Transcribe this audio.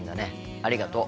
ありがとう。